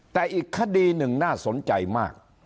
แต่อีกคดีหนึ่งน่าสนใจมาก